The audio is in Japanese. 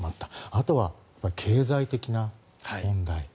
あとは経済的な問題。